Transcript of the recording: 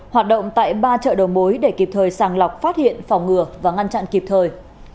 hoạt động tại ba chợ đầu mối để kịp thời sàng lọc phát hiện phòng ngừa và ngăn chặn kịp thời